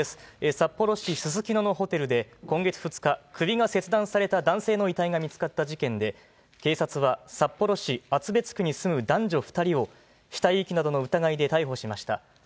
札幌市すすきののホテルで今月２日、首が切断された男性の遺体が見つかった事件で、警察は札幌市厚別区に住む男女２人を、死体遺棄などの疑いで逮捕しました。